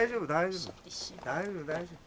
大丈夫大丈夫。